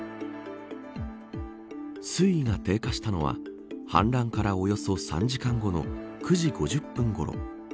水位が低下したのは氾濫からおよそ３時間後の９時５０分ごろ。